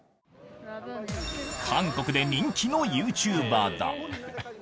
韓国で人気のユーチューバーだ。